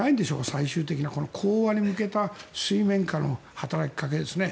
最終的な講和に向けた水面下の働きかけですね。